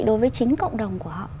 đối với chính cộng đồng của họ